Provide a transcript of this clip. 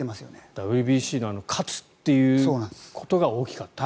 ＷＢＣのあの勝つっていうことが大きかった。